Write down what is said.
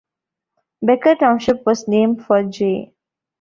Becker Township was named for J.